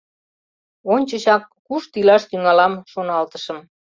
Ончычак «кушто илаш тӱҥалам?» шоналтышым.